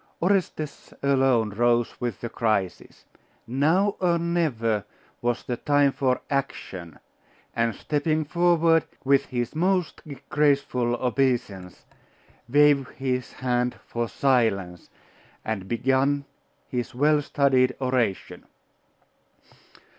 Orestes alone rose with the crisis. Now, or never, was the time for action; and stepping forward, with his most graceful obeisance, waved his hand for silence, and began his well studied oration.